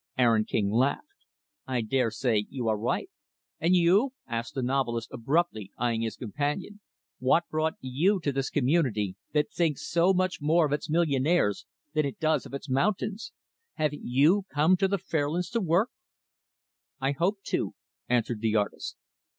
Aaron King laughed. "I dare say you are right." "And you ?" asked the novelist, abruptly, eyeing his companion. "What brought you to this community that thinks so much more of its millionaires than it does of its mountains? Have you come to Fairlands to work?" "I hope to," answered the artist.